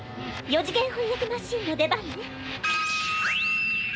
４次元翻訳マシーンの出番ね。